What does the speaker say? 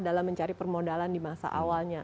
dalam mencari permodalan di masa awalnya